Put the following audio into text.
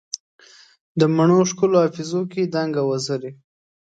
د مڼو ښکلو حافظو کې دنګهت وزرې